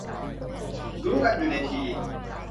รู้กันอยู่ในที